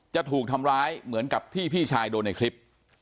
จะถูกทำร้ายเหมือนกับที่พี่ชายโดนในคลิป